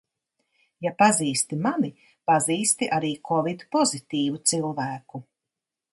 Ja pazīsti mani, pazīsti arī kovid pozitīvu cilvēku.